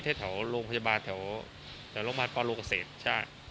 แถวแถวโรงพยาบาลแถวแถวโรงพยาบาลปอนด์โลกเศษใช่